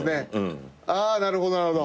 あなるほどなるほど。